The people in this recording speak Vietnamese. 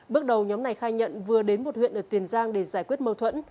bước đầu nhóm này khai nhận vừa đến một huyện ở tiền giang để giải quyết mâu thuẫn